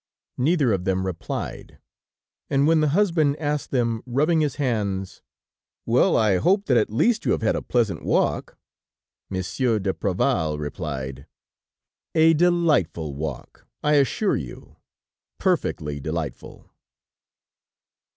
Neither of them replied, and when the husband asked them rubbing his hands: "Well, I hope that at least you have had a pleasant walk?" Monsieur d'Apreval replied: "A delightful walk, I assure you; perfectly delightful."